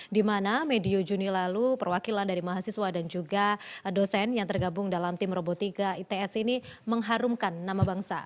di mana medio juni lalu perwakilan dari mahasiswa dan juga dosen yang tergabung dalam tim robotika its ini mengharumkan nama bangsa